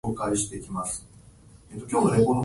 大量の文章の提出